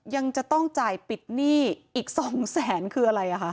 ยังจะต้องจ่ายปิดหนี้อีก๒แสนคืออะไรอ่ะคะ